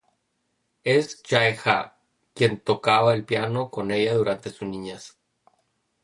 Es Jae Ha, quien tocaba el piano con ella durante su niñez.